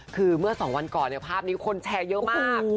คือเมื่อ๒วันก่อนภาพนี้คนแชร์เยอะมาก